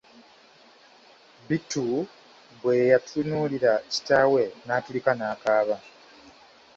Bittu bwe yatunuulira kitaawe n'atulika n'akaaba!